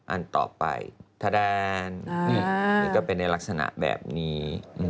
อันต่อไปทะแดนนี่ก็เป็นในลักษณะแบบนี้